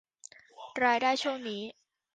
รายได้ช่วงนี้